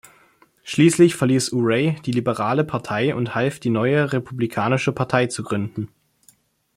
Schließlich verließ Urey die Liberale Partei und half die neue Republikanische Partei zu gründen.